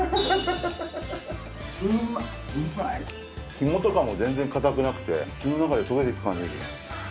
ひもとかも全然固くなくて口の中で溶けていく感じです。